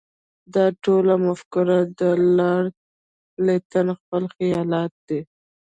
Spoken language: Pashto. دا ټوله مفکوره د لارډ لیټن خپل خیالات دي.